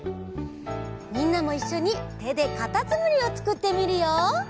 みんなもいっしょにてでかたつむりをつくってみるよ。